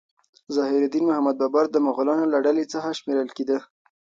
ظهیر الدین محمد بابر د مغولانو له ډلې څخه شمیرل کېده.